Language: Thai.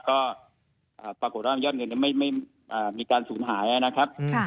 ก็ปรากฏว่ายอดเงินไม่มีการสูญหายนะครับ